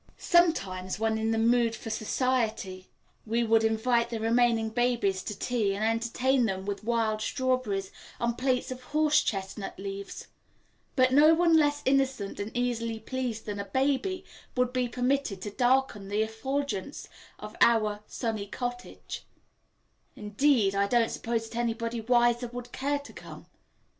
Sometimes, when in the mood for society, we would invite the remaining babies to tea and entertain them with wild strawberries on plates of horse chestnut leaves; but no one less innocent and easily pleased than a baby would be permitted to darken the effulgence of our sunny cottage indeed, I don't suppose that anybody wiser would care to come.